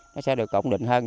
nó sẽ được ổn định hơn